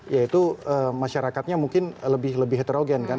ya itu masyarakatnya mungkin lebih heterogen kan